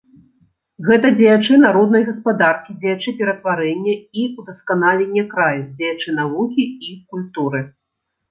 Гэта дзеячы народнай гаспадаркі, дзеячы ператварэння і ўдасканалення краю, дзеячы навукі і культуры.